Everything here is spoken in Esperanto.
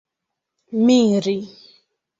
miri